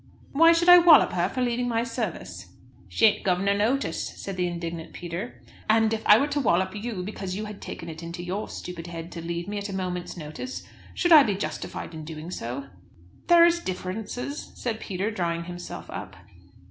"Why should I wallop her for leaving my service?" "She ain't guv' no notice," said the indignant Peter. "And if I were to wallop you because you had taken it into your stupid head to leave me at a moment's notice, should I be justified in doing so?" "There is differences," said Peter, drawing himself up.